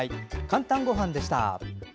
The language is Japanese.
「かんたんごはん」でした。